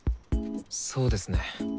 そうですね。